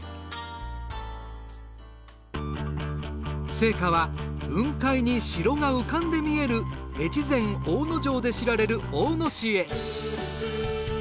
聖火は雲海に城が浮かんで見える越前大野城で知られる大野市へ。